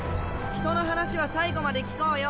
人の話は最後まで聞こうよ。